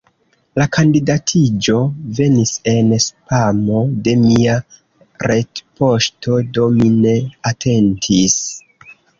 La kandidatiĝo venis en spamo de mia retpoŝto, do mi ne atentis.